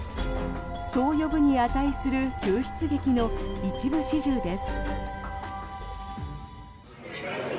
そう呼ぶに値する救出劇の一部始終です。